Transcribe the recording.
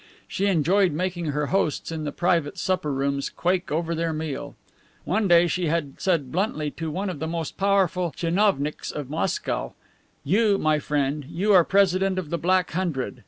She enjoyed making her hosts in the private supper rooms quake over their meal. One day she had said bluntly to one of the most powerful tchinovnicks of Moscow: "You, my old friend, you are president of the Black Hundred.